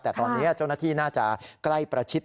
แต่ตอนนี้เจ้าหน้าที่น่าจะใกล้ประชิด